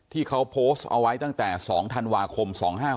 ที่เขาโพสต์เอาไว้ตั้งแต่๒ธันวาคม๒๕๖๖